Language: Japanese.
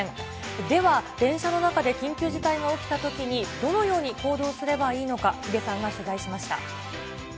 では、電車の中で緊急事態が起きたときに、どのように行動すればいいのか、ヒデさんが取材しました。